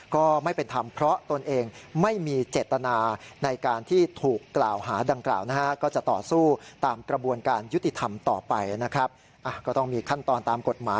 ก็ไม่เป็นธรรมเพราะตนเองไม่มีเจตนา